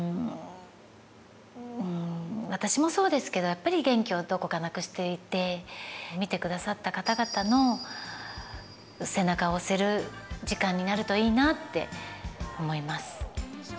私もそうですけどやっぱり元気をどこかなくしていて見てくださった方々の背中を押せる時間になるといいなって思います。